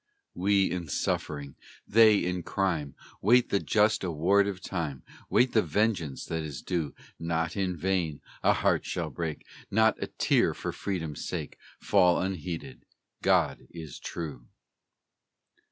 We in suffering, they in crime, Wait the just award of time, Wait the vengeance that is due; Not in vain a heart shall break, Not a tear for Freedom's sake Fall unheeded: God is true.